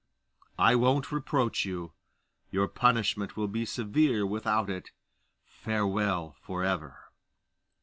I won't reproach you: your punishment will be severe without it. Farewell for ever!